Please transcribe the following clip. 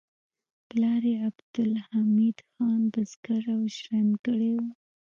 پلار یې عبدالحمید خان بزګر او ژرندګړی و